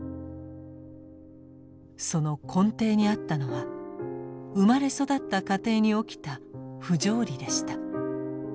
その根底にあったのは生まれ育った家庭に起きた不条理でした。